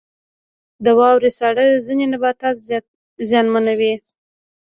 • د واورې ساړه ځینې نباتات زیانمنوي.